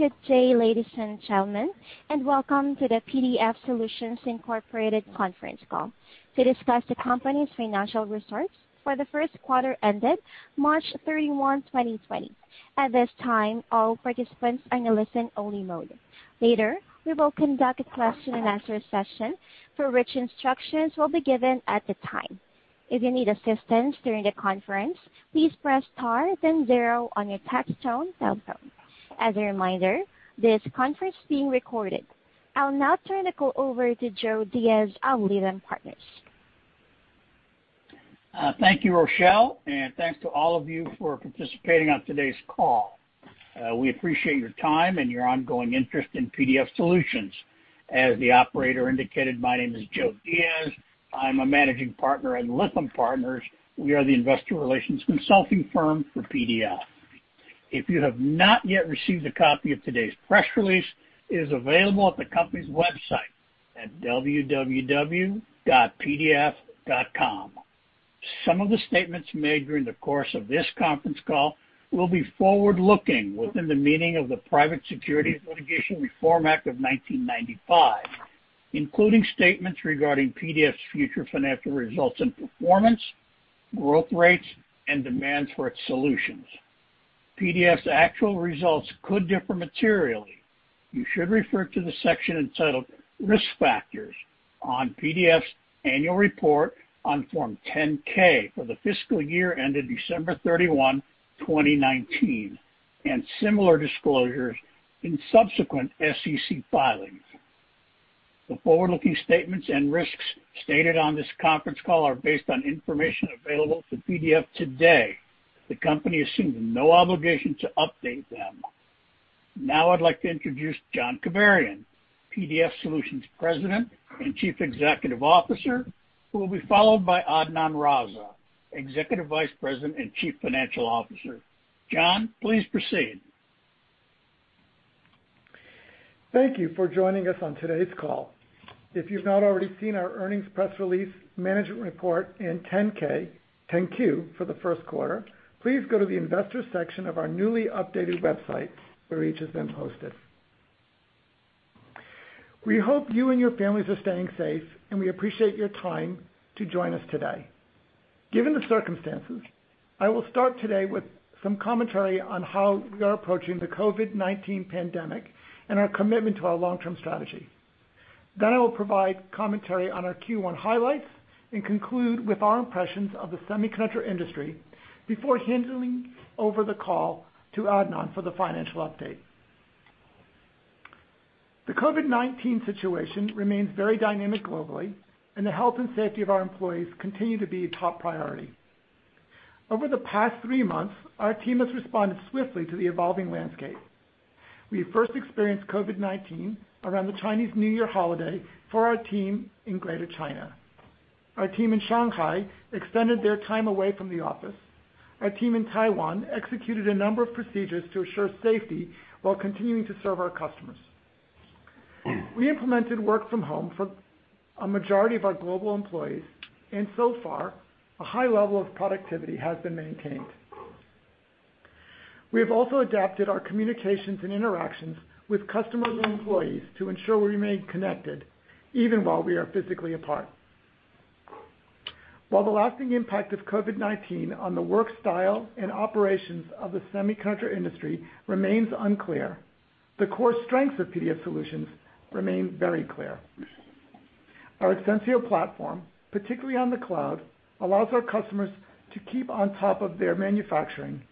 Good day, ladies and gentlemen, and welcome to the PDF Solutions, Inc. conference call to discuss the company's financial results for the first quarter ended March 31, 2020. At this time, all participants are in listen-only mode. Later, we will conduct a question and answer session for which instructions will be given at the time. If you need assistance during the conference, please press star then zero on your touch-tone telephone. As a reminder, this conference is being recorded. I'll now turn the call over to Joe Diaz of Lytham Partners. Thank you, Rochelle, and thanks to all of you for participating on today's call. We appreciate your time and your ongoing interest in PDF Solutions. As the operator indicated, my name is Joe Diaz. I'm a managing partner at Lytham Partners. We are the investor relations consulting firm for PDF. If you have not yet received a copy of today's press release, it is available at the company's website at www.pdf.com. Some of the statements made during the course of this conference call will be forward-looking within the meaning of the Private Securities Litigation Reform Act of 1995, including statements regarding PDF's future financial results and performance, growth rates, and demands for its solutions. PDF's actual results could differ materially. You should refer to the section entitled "Risk Factors" on PDF's annual report on Form 10-K for the fiscal year ended December 31, 2019, and similar disclosures in subsequent SEC filings. The forward-looking statements and risks stated on this conference call are based on information available to PDF today. The company assumes no obligation to update them. Now I'd like to introduce John Kibarian, PDF Solutions President and Chief Executive Officer, who will be followed by Adnan Raza, Executive Vice President and Chief Financial Officer. John, please proceed. Thank you for joining us on today's call. If you've not already seen our earnings press release, management report, and 10-Q for the first quarter, please go to the investors section of our newly updated website, where each has been posted. We hope you and your families are staying safe, and we appreciate your time to join us today. Given the circumstances, I will start today with some commentary on how we are approaching the COVID-19 pandemic and our commitment to our long-term strategy. I will provide commentary on our Q1 highlights and conclude with our impressions of the semiconductor industry before handing over the call to Adnan for the financial update. The COVID-19 situation remains very dynamic globally, and the health and safety of our employees continue to be a top priority. Over the past three months, our team has responded swiftly to the evolving landscape. We first experienced COVID-19 around the Chinese New Year holiday for our team in Greater China. Our team in Shanghai extended their time away from the office. Our team in Taiwan executed a number of procedures to assure safety while continuing to serve our customers. We implemented work from home for a majority of our global employees, and so far, a high level of productivity has been maintained. We have also adapted our communications and interactions with customers and employees to ensure we remain connected even while we are physically apart. While the lasting impact of COVID-19 on the work style and operations of the semiconductor industry remains unclear, the core strengths of PDF Solutions remain very clear. Our Exensio platform, particularly on the cloud, allows our customers to keep on top of their manufacturing,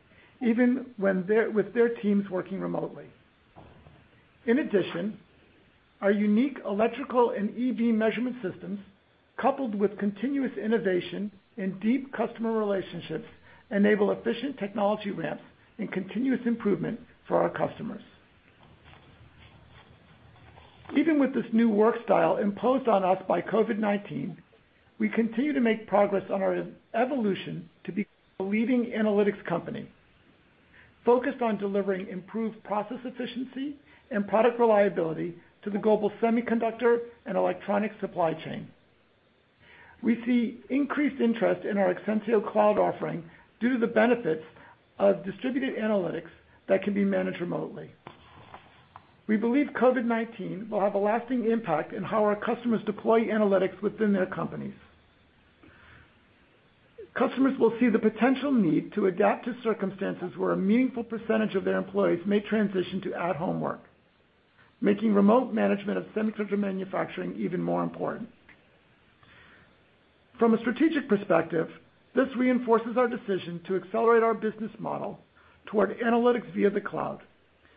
even with their teams working remotely. Our unique electrical and CV measurement systems, coupled with continuous innovation and deep customer relationships, enable efficient technology ramps and continuous improvement for our customers. Even with this new work style imposed on us by COVID-19, we continue to make progress on our evolution to be a leading analytics company, focused on delivering improved process efficiency and product reliability to the global semiconductor and electronic supply chain. We see increased interest in our Exensio Cloud offering due to the benefits of distributed analytics that can be managed remotely. We believe COVID-19 will have a lasting impact on how our customers deploy analytics within their companies. Customers will see the potential need to adapt to circumstances where a meaningful percentage of their employees may transition to at-home work, making remote management of semiconductor manufacturing even more important. From a strategic perspective, this reinforces our decision to accelerate our business model toward analytics via the cloud,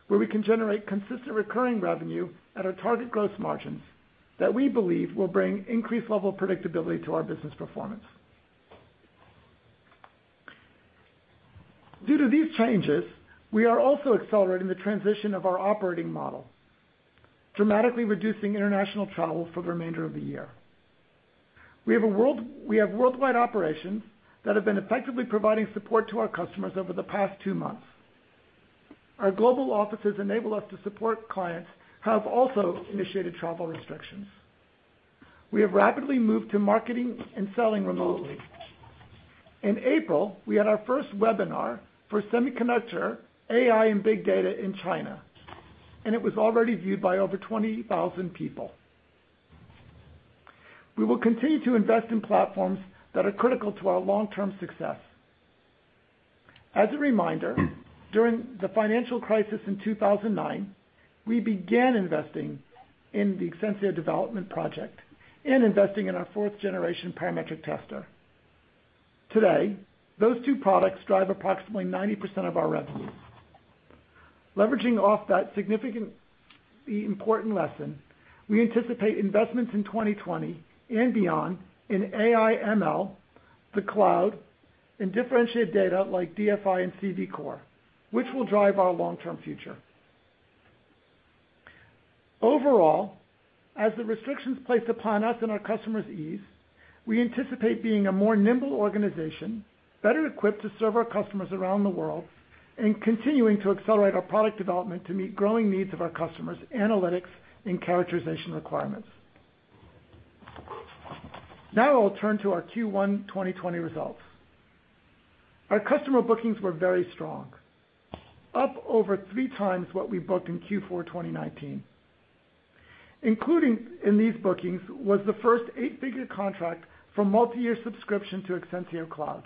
where we can generate consistent recurring revenue at our target gross margins that we believe will bring increased level of predictability to our business performance. Due to these changes, we are also accelerating the transition of our operating model, dramatically reducing international travel for the remainder of the year. We have worldwide operations that have been effectively providing support to our customers over the past two months. Our global offices enable us to support clients have also initiated travel restrictions. We have rapidly moved to marketing and selling remotely. In April, we had our first webinar for semiconductor AI and big data in China, and it was already viewed by over 20,000 people. We will continue to invest in platforms that are critical to our long-term success. As a reminder, during the financial crisis in 2009, we began investing in the Exensio development project and investing in our fourth-generation parametric tester. Today, those two products drive approximately 90% of our revenue. Leveraging off that significantly important lesson, we anticipate investments in 2020 and beyond in AI ML, the cloud, and differentiated data like DFI and CD core, which will drive our long-term future. Overall, as the restrictions placed upon us and our customers ease, we anticipate being a more nimble organization, better equipped to serve our customers around the world, and continuing to accelerate our product development to meet growing needs of our customers' analytics and characterization requirements. Now I'll turn to our Q1 2020 results. Our customer bookings were very strong, up over three times what we booked in Q4 2019. Included in these bookings was the first eight-figure contract for multi-year subscription to Exensio Cloud.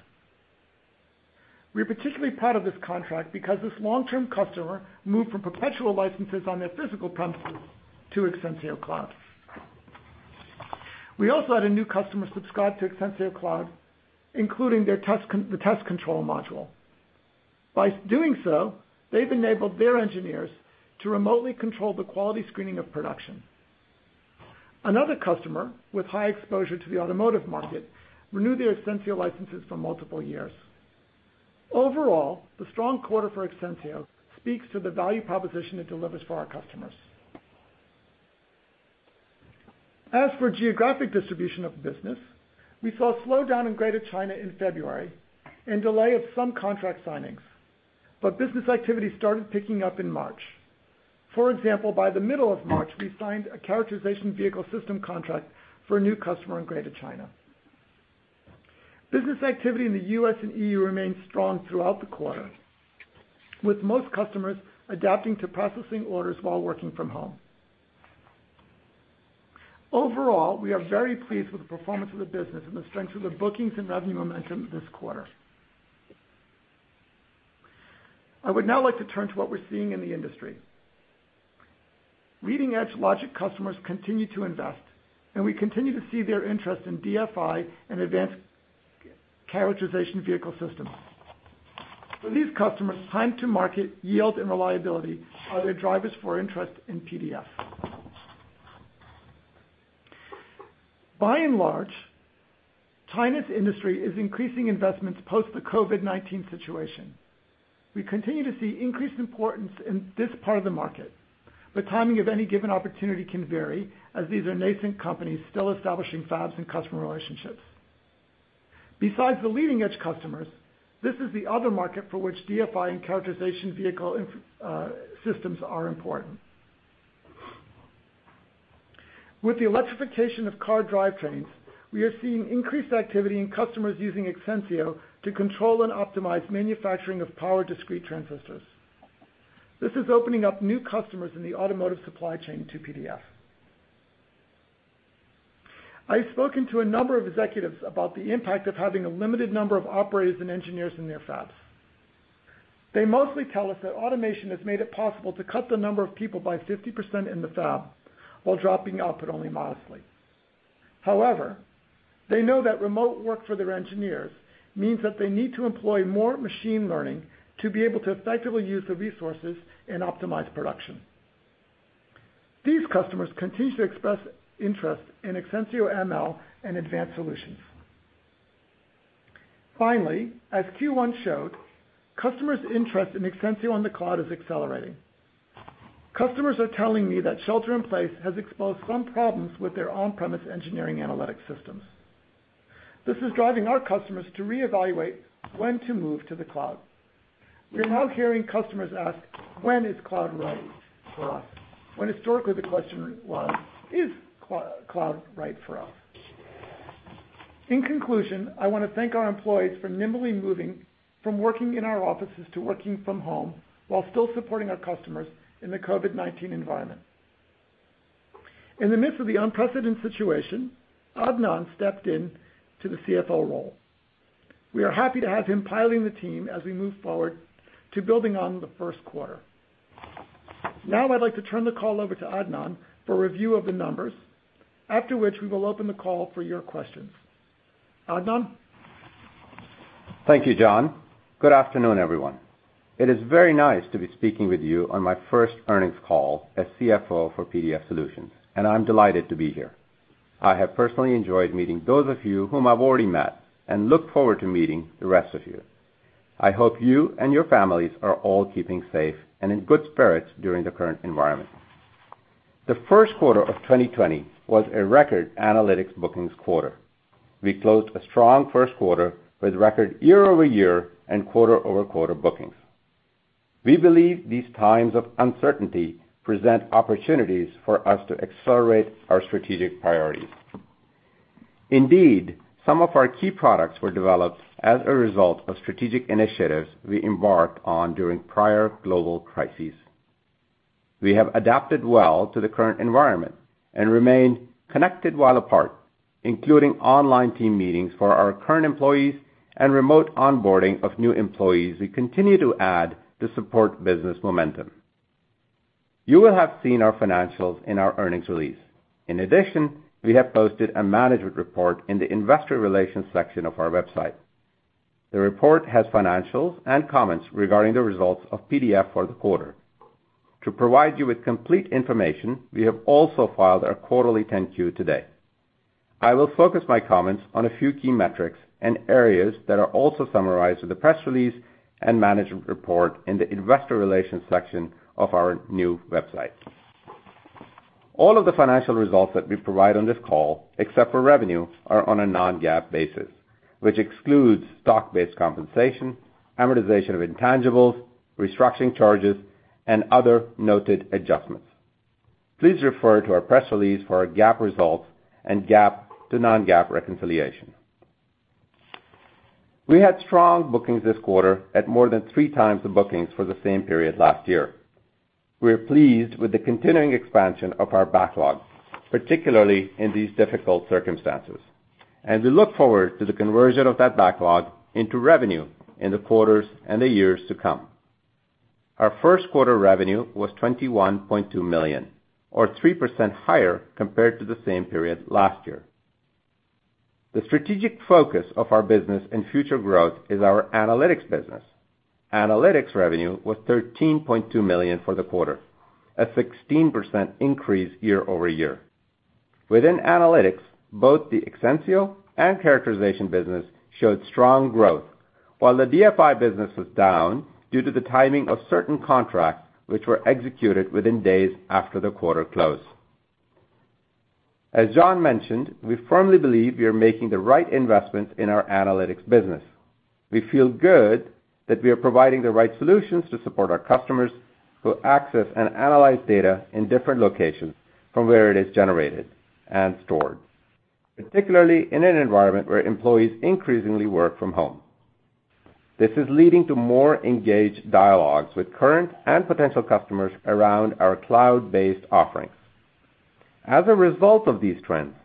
We're particularly proud of this contract because this long-term customer moved from perpetual licenses on their physical premises to Exensio Cloud. We also had a new customer subscribe to Exensio Cloud, including the test control module. By doing so, they've enabled their engineers to remotely control the quality screening of production. Another customer with high exposure to the automotive market renewed their Exensio licenses for multiple years. Overall, the strong quarter for Exensio speaks to the value proposition it delivers for our customers. As for geographic distribution of the business, we saw a slowdown in Greater China in February and delay of some contract signings, but business activity started picking up in March. For example, by the middle of March, we signed a characterization vehicle system contract for a new customer in Greater China. Business activity in the U.S. and EU remained strong throughout the quarter, with most customers adapting to processing orders while working from home. Overall, we are very pleased with the performance of the business and the strength of the bookings and revenue momentum this quarter. I would now like to turn to what we're seeing in the industry. Leading-edge logic customers continue to invest, and we continue to see their interest in DFI and advanced characterization vehicle systems. For these customers, time to market, yield, and reliability are their drivers for interest in PDF. By and large, China's industry is increasing investments post the COVID-19 situation. We continue to see increased importance in this part of the market, but timing of any given opportunity can vary as these are nascent companies still establishing fabs and customer relationships. Besides the leading-edge customers, this is the other market for which DFI and characterization vehicle systems are important. With the electrification of car drivetrains, we are seeing increased activity in customers using Exensio to control and optimize manufacturing of power, discrete transistors. This is opening up new customers in the automotive supply chain to PDF. I've spoken to a number of executives about the impact of having a limited number of operators and engineers in their fabs. They mostly tell us that automation has made it possible to cut the number of people by 50% in the fab while dropping output only modestly. However, they know that remote work for their engineers means that they need to employ more machine learning to be able to effectively use the resources and optimize production. These customers continue to express interest in Exensio ML and advanced solutions. Finally, as Q1 showed, customers' interest in Exensio on the cloud is accelerating. Customers are telling me that shelter in place has exposed some problems with their on-premise engineering analytics systems. This is driving our customers to reevaluate when to move to the cloud. We are now hearing customers ask, "When is cloud right for us?" When historically the question was, "Is cloud right for us?" In conclusion, I want to thank our employees for nimbly moving from working in our offices to working from home while still supporting our customers in the COVID-19 environment. In the midst of the unprecedented situation, Adnan stepped into the CFO role. We are happy to have him piloting the team as we move forward to building on the first quarter. Now I'd like to turn the call over to Adnan for a review of the numbers, after which we will open the call for your questions. Adnan? Thank you, John. Good afternoon, everyone. It is very nice to be speaking with you on my first earnings call as CFO for PDF Solutions, and I'm delighted to be here. I have personally enjoyed meeting those of you whom I've already met and look forward to meeting the rest of you. I hope you and your families are all keeping safe and in good spirits during the current environment. The first quarter of 2020 was a record analytics bookings quarter. We closed a strong first quarter with record year-over-year and quarter-over-quarter bookings. We believe these times of uncertainty present opportunities for us to accelerate our strategic priorities. Indeed, some of our key products were developed as a result of strategic initiatives we embarked on during prior global crises. We have adapted well to the current environment and remain connected while apart, including online team meetings for our current employees and remote onboarding of new employees we continue to add to support business momentum. You will have seen our financials in our earnings release. In addition, we have posted a management report in the investor relations section of our website. The report has financials and comments regarding the results of PDF Solutions for the quarter. To provide you with complete information, we have also filed our quarterly 10-Q today. I will focus my comments on a few key metrics and areas that are also summarized in the press release and management report in the investor relations section of our new website. All of the financial results that we provide on this call, except for revenue, are on a non-GAAP basis, which excludes stock-based compensation, amortization of intangibles, restructuring charges, and other noted adjustments. Please refer to our press release for our GAAP results and GAAP to non-GAAP reconciliation. We had strong bookings this quarter at more than three times the bookings for the same period last year. We are pleased with the continuing expansion of our backlog, particularly in these difficult circumstances, and we look forward to the conversion of that backlog into revenue in the quarters and the years to come. Our first quarter revenue was $21.2 million, or 3% higher compared to the same period last year. The strategic focus of our business and future growth is our analytics business. Analytics revenue was $13.2 million for the quarter, a 16% increase year-over-year. Within analytics, both the Exensio and characterization business showed strong growth, while the DFI business was down due to the timing of certain contracts, which were executed within days after the quarter close. As John mentioned, we firmly believe we are making the right investments in our analytics business. We feel good that we are providing the right solutions to support our customers to access and analyze data in different locations from where it is generated and stored, particularly in an environment where employees increasingly work from home. This is leading to more engaged dialogues with current and potential customers around our cloud-based offerings. As a result of these trends,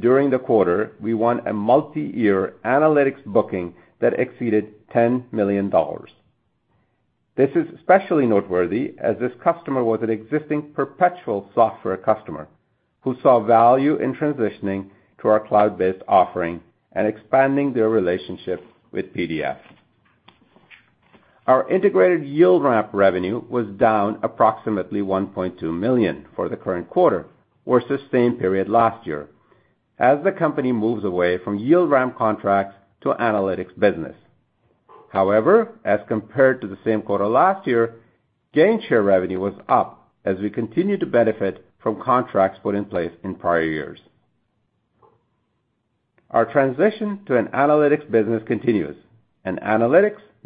during the quarter, we won a multi-year analytics booking that exceeded $10 million. This is especially noteworthy as this customer was an existing perpetual software customer who saw value in transitioning to our cloud-based offering and expanding their relationship with PDF. Our integrated yield ramp revenue was down approximately $1.2 million for the current quarter versus same period last year, as the company moves away from yield ramp contracts to analytics business. However, as compared to the same quarter last year, gainshare revenue was up as we continue to benefit from contracts put in place in prior years. Analytics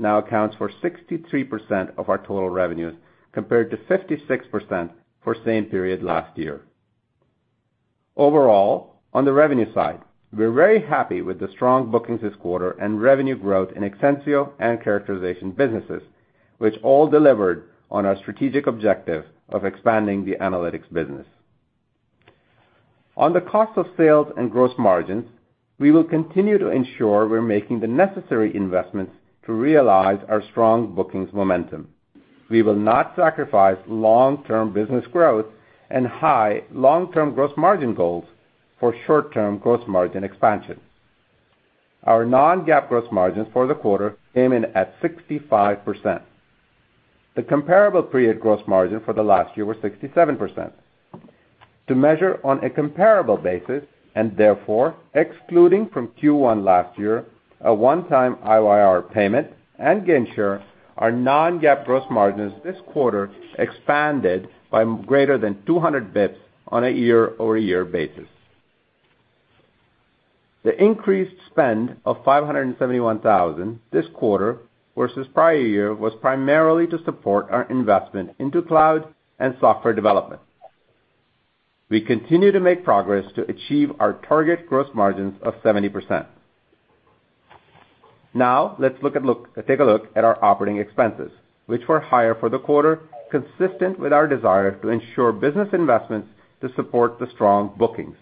now accounts for 63% of our total revenues, compared to 56% for same period last year. Overall, on the revenue side, we're very happy with the strong bookings this quarter and revenue growth in Exensio and characterization businesses, which all delivered on our strategic objective of expanding the analytics business. On the cost of sales and gross margins, we will continue to ensure we're making the necessary investments to realize our strong bookings momentum. We will not sacrifice long-term business growth and high long-term gross margin goals for short-term gross margin expansion. Our non-GAAP gross margins for the quarter came in at 65%. The comparable period gross margin for the last year was 67%. To measure on a comparable basis, and therefore excluding from Q1 last year, a one-time IYR payment and gainshare, our non-GAAP gross margins this quarter expanded by greater than 200 basis points on a year-over-year basis. The increased spend of $571,000 this quarter versus prior year was primarily to support our investment into cloud and software development. We continue to make progress to achieve our target gross margins of 70%. Now, let's take a look at our operating expenses, which were higher for the quarter, consistent with our desire to ensure business investments to support the strong bookings.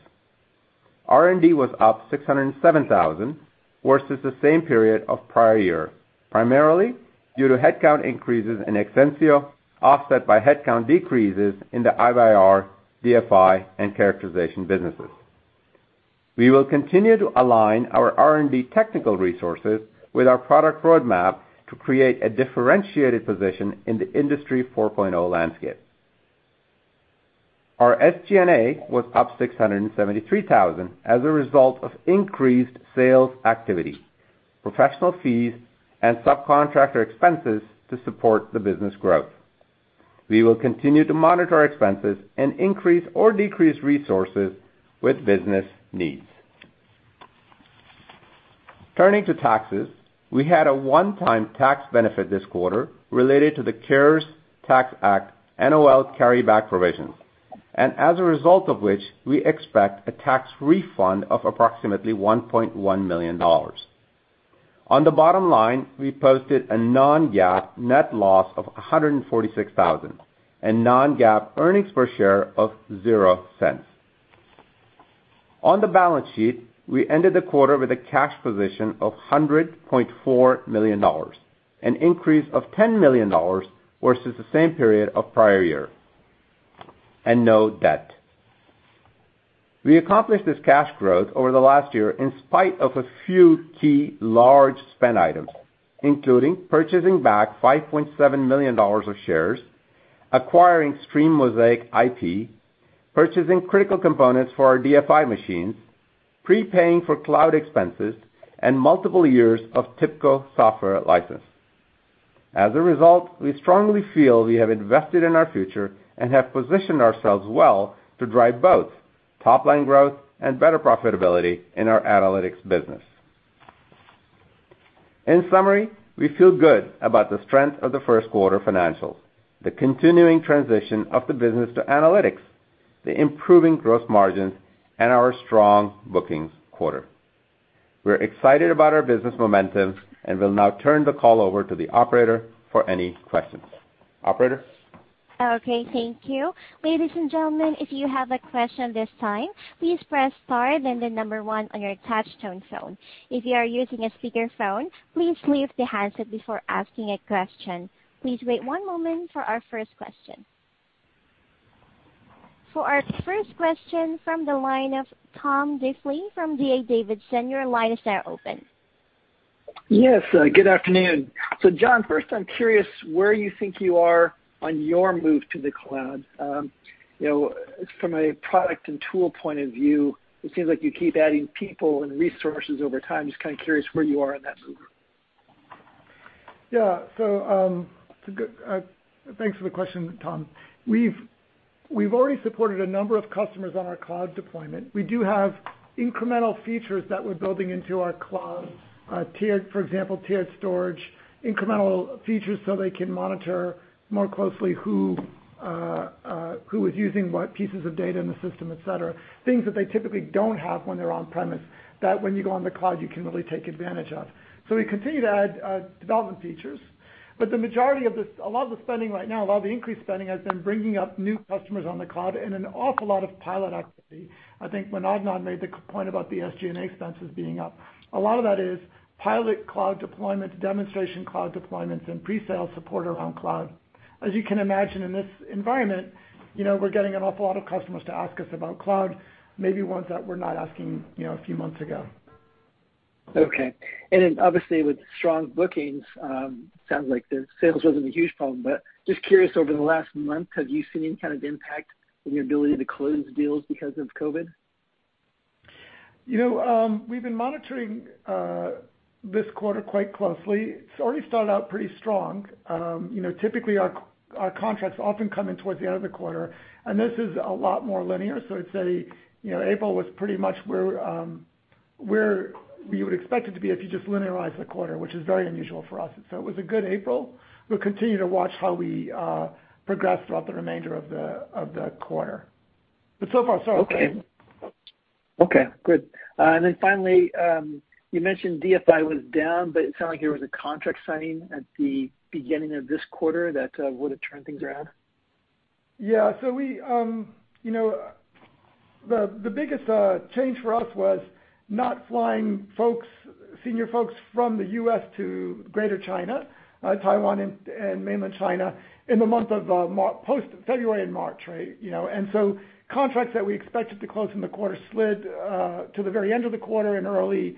R&D was up $607,000 versus the same period of prior year, primarily due to headcount increases in Exensio, offset by headcount decreases in the IYR, DFI, and characterization businesses. We will continue to align our R&D technical resources with our product roadmap to create a differentiated position in the Industry 4.0 landscape. Our SG&A was up $673,000 as a result of increased sales activity, professional fees, and subcontractor expenses to support the business growth. We will continue to monitor our expenses and increase or decrease resources with business needs. Turning to taxes, we had a one-time tax benefit this quarter related to the CARES Tax Act NOL carryback provision. As a result of which, we expect a tax refund of approximately $1.1 million. On the bottom line, we posted a non-GAAP net loss of $146,000 and non-GAAP earnings per share of $0.00. On the balance sheet, we ended the quarter with a cash position of $100.4 million, an increase of $10 million versus the same period of prior year and no debt. We accomplished this cash growth over the last year in spite of a few key large spend items, including purchasing back $5.7 million of shares, acquiring StreamMosaic IP, purchasing critical components for our DFI machines, prepaying for cloud expenses, and multiple years of TIBCO software license. As a result, we strongly feel we have invested in our future and have positioned ourselves well to drive both top-line growth and better profitability in our analytics business. In summary, we feel good about the strength of the first quarter financials, the continuing transition of the business to analytics, the improving gross margins, and our strong bookings quarter. We're excited about our business momentum and will now turn the call over to the operator for any questions. Operator? Okay, thank you. Ladies and gentlemen, if you have a question this time, please press star then the number one on your touch tone phone. If you are using a speaker phone, please mute the handset before asking a question. Please wait one moment for our first question. For our first question from the line of Tom Diffely from D.A. Davidson, your line is now open. Yes, good afternoon. John, first I'm curious where you think you are on your move to the cloud. From a product and tool point of view, it seems like you keep adding people and resources over time. Just kind of curious where you are in that move. Yeah, thanks for the question, Tom. We've already supported a number of customers on our cloud deployment. We do have incremental features that we're building into our cloud. For example, tiered storage, incremental features so they can monitor more closely who is using what pieces of data in the system, et cetera. Things that they typically don't have when they're on-premise, that when you go on the cloud you can really take advantage of. We continue to add development features, but a lot of the spending right now, a lot of the increased spending has been bringing up new customers on the cloud and an awful lot of pilot activity. I think Adnan made the point about the SG&A expenses being up. A lot of that is pilot cloud deployments, demonstration cloud deployments, and pre-sales support around cloud. As you can imagine in this environment, we're getting an awful lot of customers to ask us about cloud, maybe ones that were not asking a few months ago. Okay. Obviously with strong bookings, sounds like the sales wasn't a huge problem. Just curious, over the last month, have you seen any kind of impact in your ability to close deals because of COVID? We've been monitoring this quarter quite closely. It's already started out pretty strong. Typically, our contracts often come in towards the end of the quarter, and this is a lot more linear. I'd say April was pretty much where we would expect it to be if you just linearize the quarter, which is very unusual for us. It was a good April. We'll continue to watch how we progress throughout the remainder of the quarter. So far, so good. Okay. Good. Finally, you mentioned DFI was down, but it sounded like there was a contract signing at the beginning of this quarter that would have turned things around? Yeah. The biggest change for us was not flying senior folks from the U.S. to Greater China, Taiwan, and Mainland China post February and March, right? Contracts that we expected to close in the quarter slid to the very end of the quarter in early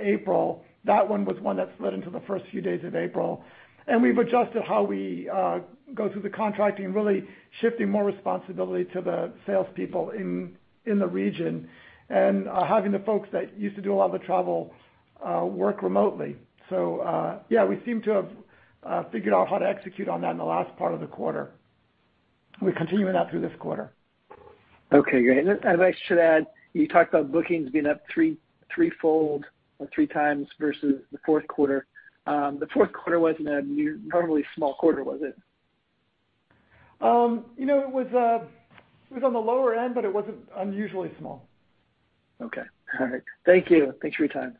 April. That one was one that slid into the first few days of April. We've adjusted how we go through the contracting, really shifting more responsibility to the salespeople in the region and having the folks that used to do a lot of the travel work remotely. Yeah, we seem to have figured out how to execute on that in the last part of the quarter. We're continuing that through this quarter. Okay, great. I should add, you talked about bookings being up threefold or three times versus the fourth quarter. The fourth quarter wasn't an abnormally small quarter, was it? It was on the lower end, but it wasn't unusually small. Okay. All right. Thank you. Thanks for your time.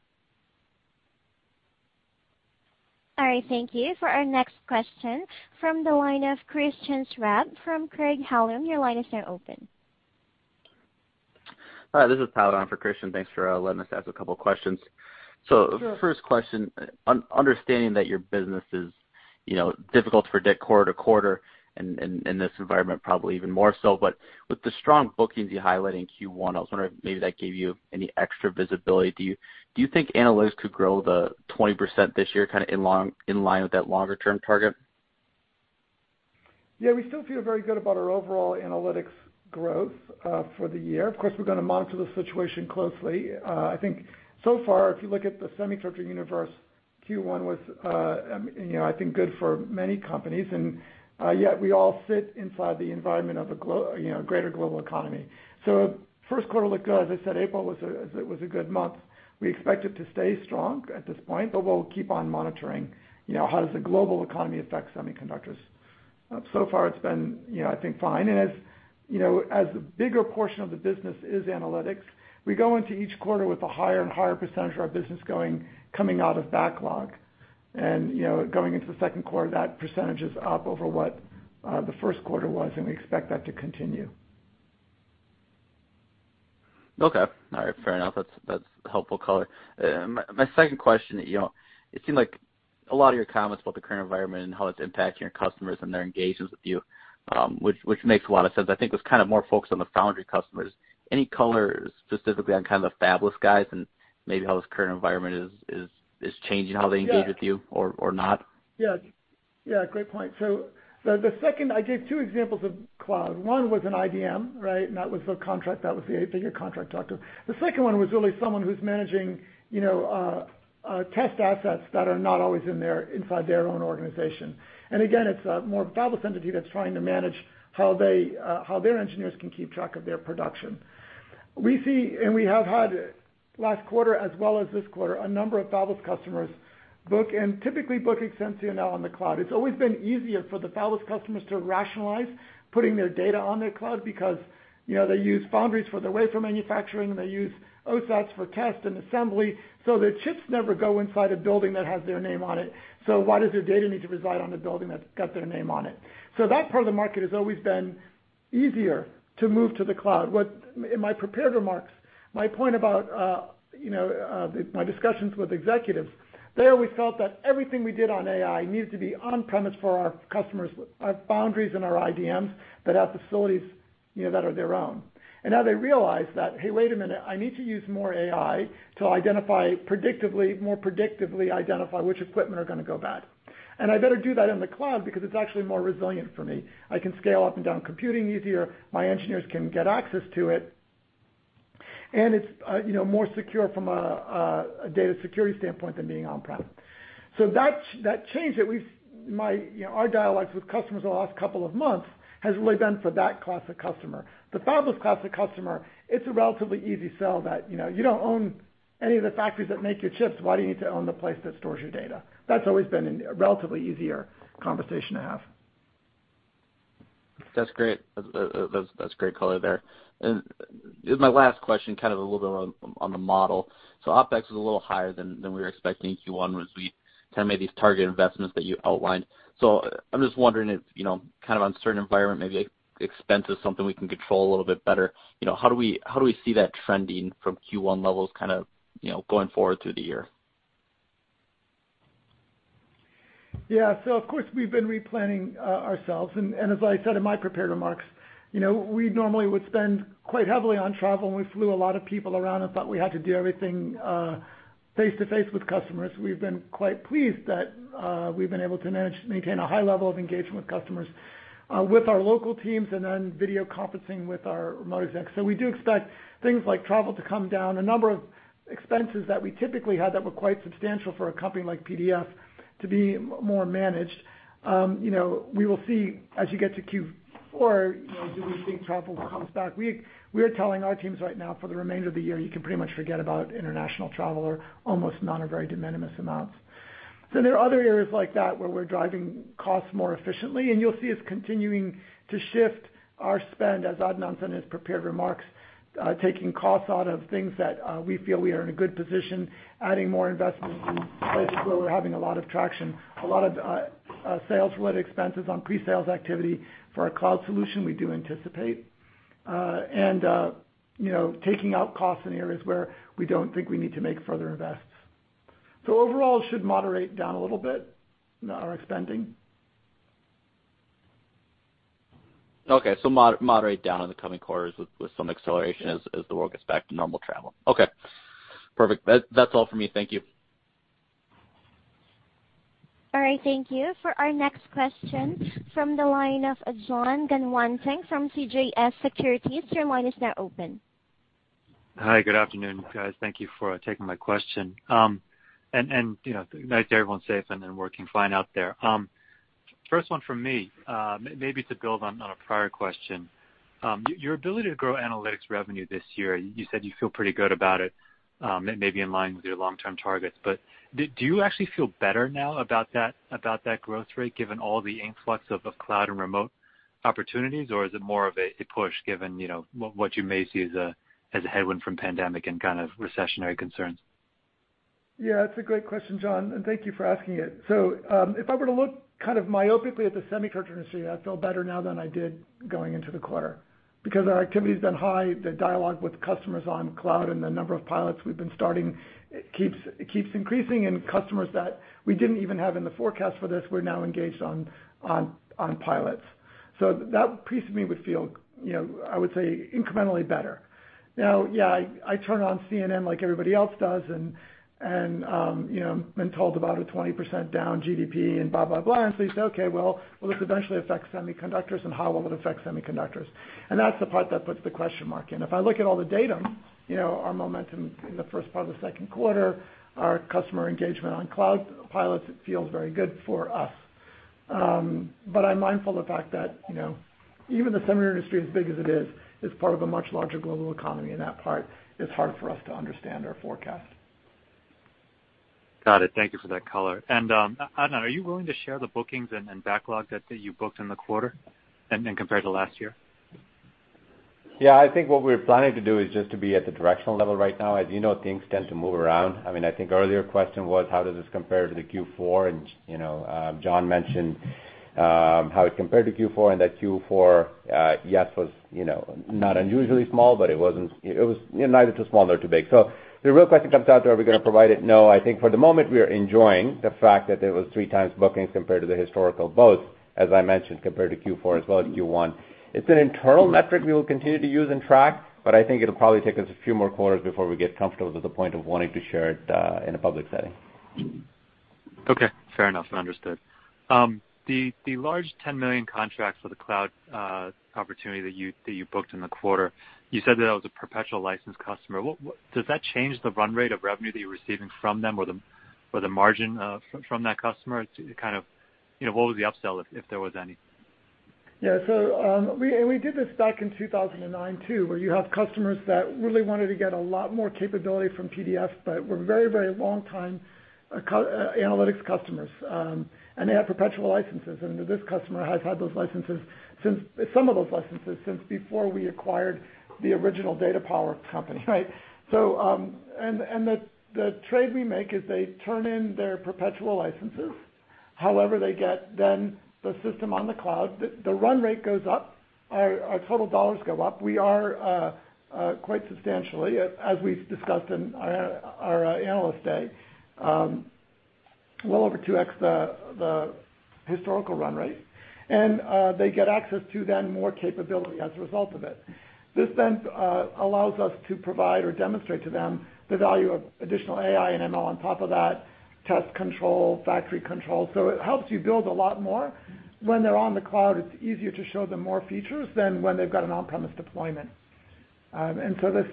All right, thank you. For our next question from the line of Christian Schwab from Craig-Hallum, your line is now open. Hi, this is Tyler for Christian. Thanks for letting us ask a couple of questions. Sure. First question, understanding that your business is difficult to predict quarter to quarter, and in this environment probably even more so, but with the strong bookings you highlight in Q1, I was wondering if maybe that gave you any extra visibility. Do you think analytics could grow 20% this year, in line with that longer-term target? Yeah, we still feel very good about our overall analytics growth for the year. Of course, we're going to monitor the situation closely. I think so far, if you look at the semiconductor universe Q1 was, I think good for many companies, and yet we all sit inside the environment of a greater global economy. First quarter looked good. As I said, April was a good month. We expect it to stay strong at this point, but we'll keep on monitoring how does the global economy affect semiconductors. So far it's been, I think, fine. As the bigger portion of the business is analytics, we go into each quarter with a higher and higher percentage of our business coming out of backlog. Going into the second quarter, that percentage is up over what the first quarter was, and we expect that to continue. Okay. All right. Fair enough. That's helpful color. My second question, it seemed like a lot of your comments about the current environment and how it's impacting your customers and their engagements with you, which makes a lot of sense, I think was kind of more focused on the foundry customers. Any color specifically on kind of the fabless guys and maybe how this current environment is changing how they engage? Yeah. With you or not? Yeah. Great point. The second, I gave two examples of cloud. One was an IDM, right? That was the contract, that was the bigger contract talked of. The second one was really someone who's managing test assets that are not always inside their own organization. Again, it's a more fabless entity that's trying to manage how their engineers can keep track of their production. We see, we have had last quarter as well as this quarter, a number of fabless customers book and typically book Exensio now on the cloud. It's always been easier for the fabless customers to rationalize putting their data on their cloud because they use foundries for their wafer manufacturing, and they use OSATs for test and assembly. Their chips never go inside a building that has their name on it, so why does their data need to reside on a building that's got their name on it? That part of the market has always been easier to move to the cloud. In my prepared remarks, my point about my discussions with executives, they always felt that everything we did on AI needed to be on-premise for our customers, our foundries and our IDMs, but at facilities that are their own. Now they realize that, hey, wait a minute, I need to use more AI to more predictively identify which equipment are going to go bad. I better do that in the cloud because it's actually more resilient for me. I can scale up and down computing easier, my engineers can get access to it, and it's more secure from a data security standpoint than being on-prem. That change that our dialogues with customers the last couple of months has really been for that class of customer. The fabless class of customer, it's a relatively easy sell that, you don't own any of the factories that make your chips, why do you need to own the place that stores your data? That's always been a relatively easier conversation to have. That's great color there. This is my last question, kind of a little bit on the model. OpEx was a little higher than we were expecting in Q1 as we kind of made these target investments that you outlined. I'm just wondering if, kind of uncertain environment, maybe expense is something we can control a little bit better. How do we see that trending from Q1 levels kind of going forward through the year? Yeah. Of course, we've been replanning ourselves, and as I said in my prepared remarks, we normally would spend quite heavily on travel, and we flew a lot of people around and thought we had to do everything face-to-face with customers. We've been quite pleased that we've been able to manage to maintain a high level of engagement with customers, with our local teams, and then video conferencing with our remote execs. We do expect things like travel to come down. A number of expenses that we typically had that were quite substantial for a company like PDF to be more managed. We will see as you get to Q4, do we think travel comes back? We are telling our teams right now for the remainder of the year, you can pretty much forget about international travel, or almost none are very de minimis amounts. There are other areas like that where we're driving costs more efficiently, and you'll see us continuing to shift our spend, as Adnan said in his prepared remarks, taking costs out of things that we feel we are in a good position, adding more investments in places where we're having a lot of traction, a lot of sales-related expenses on pre-sales activity for our cloud solution we do anticipate. Taking out costs in areas where we don't think we need to make further invests. Overall, it should moderate down a little bit, our expending. Okay. Moderate down in the coming quarters with some acceleration as the world gets back to normal travel. Okay. Perfect. That's all for me. Thank you. All right, thank you. For our next question from the line of Jon Tanwanteng from CJS Securities, your line is now open. Hi, good afternoon, guys. Thank you for taking my question. Nice everyone's safe and then working fine out there. First one from me, maybe to build on a prior question. Your ability to grow analytics revenue this year, you said you feel pretty good about it, maybe in line with your long-term targets. Do you actually feel better now about that growth rate given all the influx of cloud and remote opportunities, or is it more of a push given what you may see as a headwind from pandemic and kind of recessionary concerns? Yeah, that's a great question, Jon, and thank you for asking it. If I were to look kind of myopically at the semiconductor industry, I feel better now than I did going into the quarter because our activity's been high, the dialogue with customers on cloud and the number of pilots we've been starting, it keeps increasing and customers that we didn't even have in the forecast for this, we're now engaged on pilots. That piece of me would feel, I would say, incrementally better. Yeah, I turn on CNN like everybody else does and been told about a 20% down GDP and blah, blah, you say, "Okay, well, will this eventually affect semiconductors, and how will it affect semiconductors?" That's the part that puts the question mark in. If I look at all the data, our momentum in the first part of the second quarter, our customer engagement on cloud pilots feels very good for us. I'm mindful of the fact that even the semiconductor industry, as big as it is part of a much larger global economy. That part is hard for us to understand or forecast. Got it. Thank you for that color. Adnan, are you willing to share the bookings and backlog that you booked in the quarter and compared to last year? Yeah, I think what we're planning to do is just to be at the directional level right now. As you know, things tend to move around. I think earlier question was how does this compare to the Q4? John mentioned how it compared to Q4, and that Q4, yes, was not unusually small, but it was neither too small nor too big. The real question comes down to are we going to provide it? No. I think for the moment, we are enjoying the fact that there was three times bookings compared to the historical, both as I mentioned, compared to Q4 as well as Q1. It's an internal metric we will continue to use and track, but I think it'll probably take us a few more quarters before we get comfortable to the point of wanting to share it in a public setting. Okay, fair enough and understood. The large $10 million contracts for the cloud opportunity that you booked in the quarter, you said that that was a perpetual license customer. Does that change the run rate of revenue that you're receiving from them or the margin from that customer? What was the upsell, if there was any? Yeah. We did this back in 2009 too, where you have customers that really wanted to get a lot more capability from PDF, but were very long-time analytics customers, and they had perpetual licenses. This customer has had those licenses since, some of those licenses, since before we acquired the original dataPOWER company, right? The trade we make is they turn in their perpetual licenses, however they get, then the system on the cloud, the run rate goes up, our total dollar go up. We are quite substantially, as we've discussed in our Analyst Day, well over 2X the historical run rate. They get access to then more capability as a result of it. This then allows us to provide or demonstrate to them the value of additional AI and ML on top of that, test control, factory control. It helps you build a lot more. When they're on the cloud, it's easier to show them more features than when they've got an on-premise deployment. This,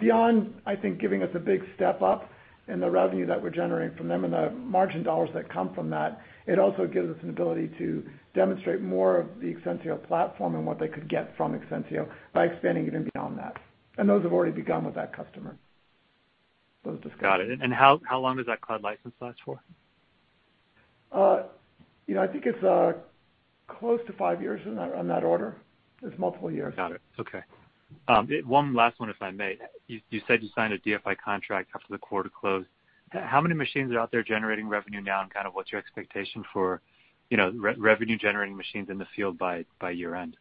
beyond, I think giving us a big step up in the revenue that we're generating from them and the margin dollars that come from that, it also gives us an ability to demonstrate more of the Exensio platform and what they could get from Exensio by expanding it and beyond that. Those have already begun with that customer. Got it. How long does that cloud license last for? I think it's close to five years, on that order. It's multiple years. Got it. Okay. One last one, if I may. You said you signed a DFI contract after the quarter closed. How many machines are out there generating revenue now, and what's your expectation for revenue-generating machines in the field by year-end?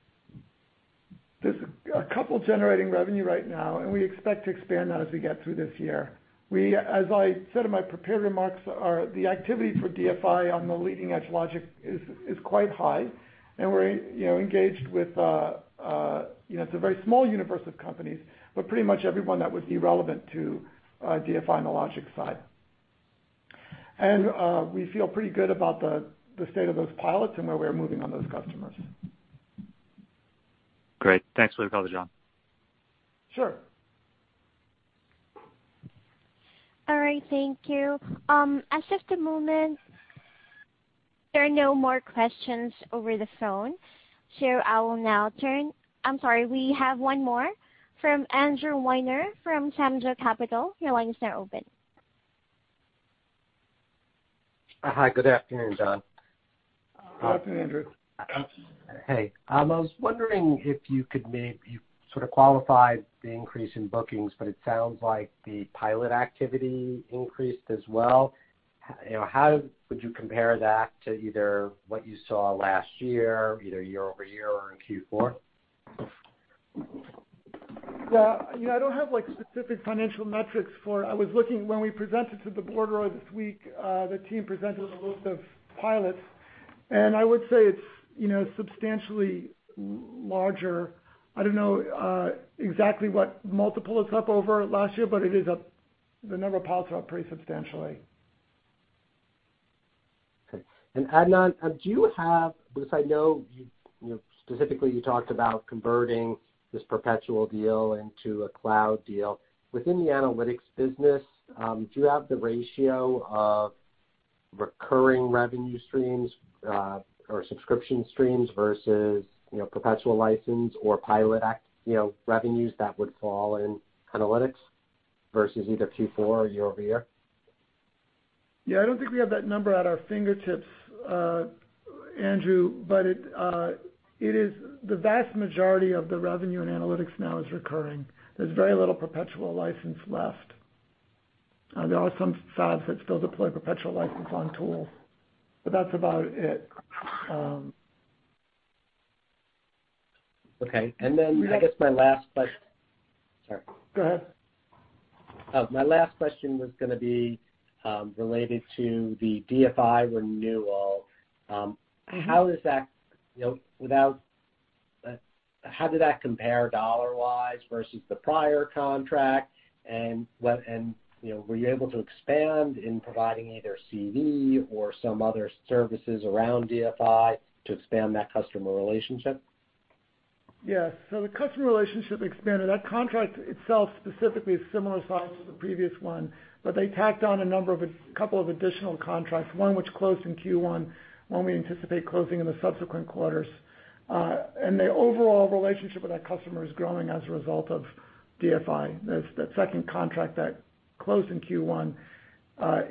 There's a couple generating revenue right now, and we expect to expand that as we get through this year. As I said in my prepared remarks, the activity for DFI on the leading-edge logic is quite high, and we're engaged with-- it's a very small universe of companies, but pretty much everyone that would be relevant to DFI on the logic side. We feel pretty good about the state of those pilots and where we're moving on those customers. Great. Thanks for the call, John. Sure. All right. Thank you. As of the moment, there are no more questions over the phone. I will now turn. I'm sorry, we have one more from Andrew Weiner from Samjo Capital. Your line is now open. Hi, good afternoon, John. Good afternoon, Andrew. Hey, I was wondering if you could maybe you sort of qualified the increase in bookings, but it sounds like the pilot activity increased as well. How would you compare that to either what you saw last year, either year-over-year or in Q4? Yeah. I don't have specific financial metrics for it. I was looking, when we presented to the board earlier this week, the team presented a list of pilots, and I would say it's substantially larger. I don't know exactly what multiple it's up over last year, but the number of pilots are up pretty substantially. Okay. Adnan, do you have, because I know specifically you talked about converting this perpetual deal into a cloud deal. Within the analytics business, do you have the ratio of recurring revenue streams or subscription streams versus perpetual license or pilot revenues that would fall in analytics versus either Q4 or year-over-year? I don't think we have that number at our fingertips, Andrew. The vast majority of the revenue in analytics now is recurring. There's very little perpetual license left. There are some fabs that still deploy perpetual license on tool. That's about it. Okay. I guess my last question- Go ahead. My last question was going to be related to the DFI renewal. How did that compare dollar-wise versus the prior contract? Were you able to expand in providing either CV or some other services around DFI to expand that customer relationship? Yeah. The customer relationship expanded. That contract itself specifically is similar size to the previous one, but they tacked on a number of, a couple of additional contracts, one which closed in Q1, one we anticipate closing in the subsequent quarters. The overall relationship with that customer is growing as a result of DFI. That second contract that closed in Q1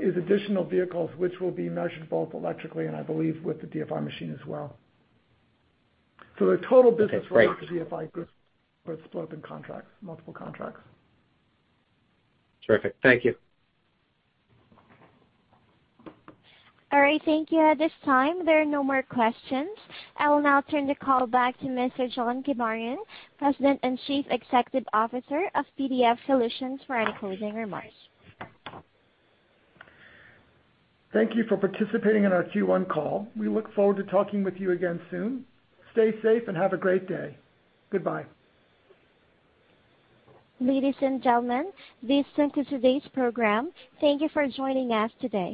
is additional vehicles which will be measured both electrically and I believe with the DFI machine as well. Okay, great. Related to DFI grew with both open contracts, multiple contracts. Terrific. Thank you. All right. Thank you. At this time, there are no more questions. I will now turn the call back to Mr. John Kibarian, President and Chief Executive Officer of PDF Solutions for any closing remarks. Thank you for participating in our Q1 call. We look forward to talking with you again soon. Stay safe and have a great day. Goodbye. Ladies and gentlemen, this concludes today's program. Thank you for joining us today.